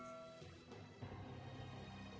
oh apa dapet